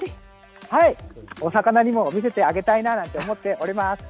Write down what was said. はい、お魚にも見せてあげたいななどと思っております。